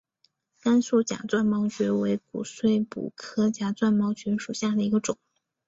甘肃假钻毛蕨为骨碎补科假钻毛蕨属下的一个种。